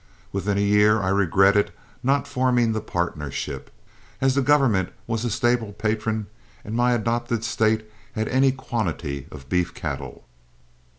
Within a year I regretted not forming the partnership, as the government was a stable patron, and my adopted State had any quantity of beef cattle.